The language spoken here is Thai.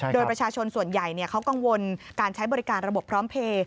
โดยประชาชนส่วนใหญ่เขากังวลการใช้บริการระบบพร้อมเพลย์